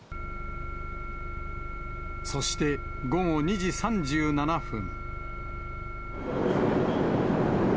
そして午後２時３７分。